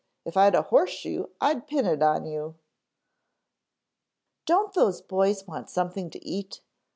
If I had a horseshoe I'd pin it on you." "Don't those boys want something to eat?"